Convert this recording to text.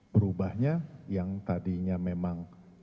perubahnya yang tadinya memang